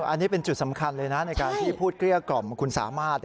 อันนี้เป็นจุดสำคัญเลยนะในการที่พูดเกลี้ยกล่อมคุณสามารถ